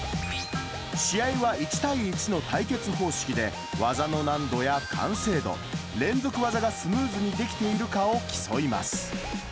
試合は１対１の対決方式で、技の難度や完成度、連続技がスムーズにできているかを競います。